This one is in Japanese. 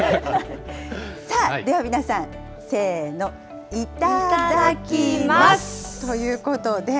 さあ、では皆さん、せーの、いただきます。